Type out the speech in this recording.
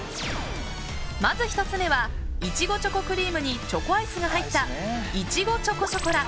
まず１つ目はいちごチョコクリームにチョコアイスが入ったいちごチョコショコラ。